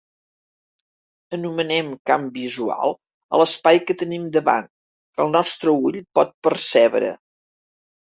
Anomenem camp visual a l'espai que tenim davant, que el nostre ull pot percebre.